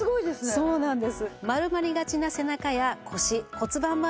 そうなんです。